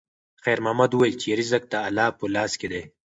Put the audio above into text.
خیر محمد وویل چې رزق د الله په لاس کې دی.